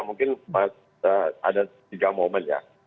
mungkin ada tiga momen ya